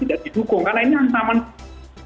tidak didukung karena ini hantaman kita